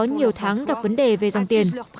và nhiều tháng gặp vấn đề về dòng tiền